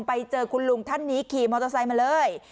ไปเจอคุณลุงท่านนี้ขี่มอเตอร์ไซค์มาเลย